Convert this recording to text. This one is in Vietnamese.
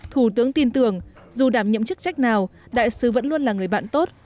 thủ tướng tin tưởng dù đảm nhiệm chức trách nào đại sứ vẫn luôn là người bạn tốt